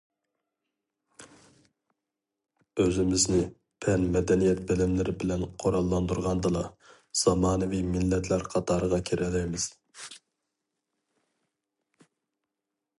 ئۆزىمىزنى پەن- مەدەنىيەت بىلىملىرى بىلەن قوراللاندۇرغاندىلا، زامانىۋى مىللەتلەر قاتارىغا كىرەلەيمىز.